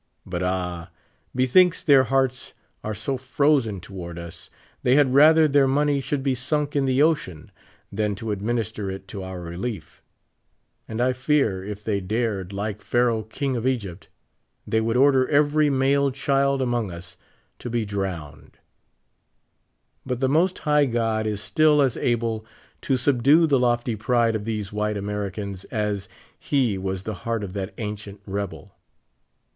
But. ah, bethinks their iiearts are so frozen toward us tliey had rather tlieir money should be sunk in the ocean than to administer it to our relief; and T fear, if the}^ dared, like Pharaoh, kiuij of Egypt, they would order every male child among us to be drowned But the most high God is still as able to subdue the lofty pride of these white Americans as He was the heart of that ancient rebel.